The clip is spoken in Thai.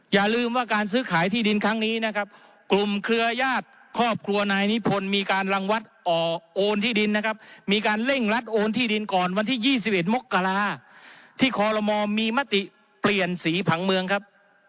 อย่าลืมว่าการซื้อขายที่ดินครั้งนี้นะครับกลุ่มเครือญาติครอบครัวนายนิพนธ์มีการรังวัดโอนที่ดินนะครับมีการเร่งรัดโอนที่ดินก่อนวันที่๒๑มกราที่คอลโลมอมีมติเปลี่ยนสีผังเมืองครับ